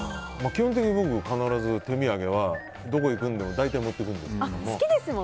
基本的に僕は必ず手土産はどこに行くにも大体、持っていくんですけども。